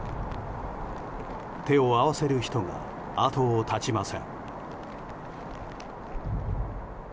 手を合わせる人が後を絶ちません。